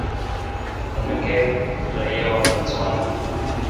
Monageng ni raia wa Botswana.